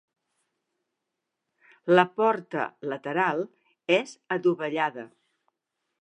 La porta, lateral, és adovellada.